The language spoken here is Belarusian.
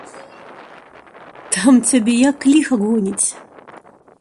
Там цябе як ліха гоніць!